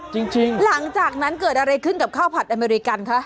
จริงหลังจากนั้นเกิดอะไรขึ้นกับข้าวผัดอเมริกันคะ